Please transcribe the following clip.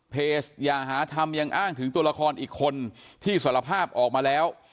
อย่าหาทำยังอ้างถึงตัวละครอีกคนที่สารภาพออกมาแล้ว